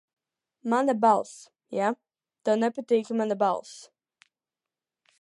Mana balss, ja? Tev nepatīk mana balss.